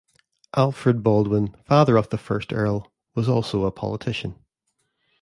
Alfred Baldwin, father of the first Earl, was also a politician.